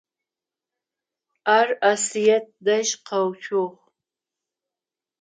Ар Асыет дэжь къэуцугъ.